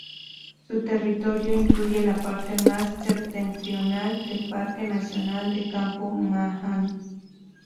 Su territorio incluye la parte más septentrional del parque nacional de Campo-Ma’an.